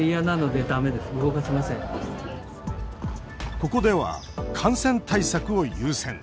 ここでは、感染対策を優先。